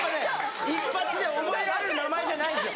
一発で覚えられる名前じゃないんですよ。